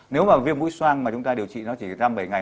nếu mà viêm mũi xoa mà chúng ta điều trị nó chỉ năm bảy ngày